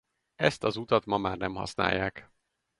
Ezt az utat ma már nem használják.